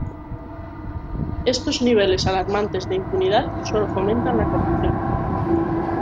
Estos niveles alarmantes de impunidad sólo fomentan la corrupción.